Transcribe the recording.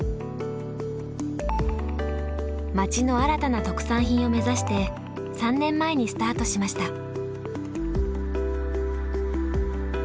町の新たな特産品を目指して３年前にスタートしました。